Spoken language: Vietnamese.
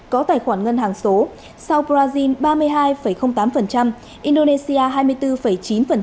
có tài khoản ngân hàng số sau brazil ba mươi hai tám indonesia hai mươi bốn chín và ireland hai mươi bốn bảy mươi bảy